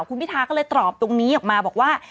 คุณพิทาก็เลยตอบตรงนี้ออกมาบอกว่า